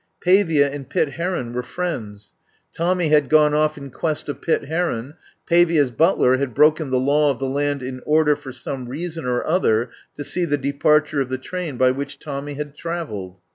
Pavia and Pitt Heron were friends; Tommy had gone off in quest of Pitt Heron; Pavia's butler had broken the law of the land in order, for some reason or other, to see the departure of the train by which Tommy had travelled.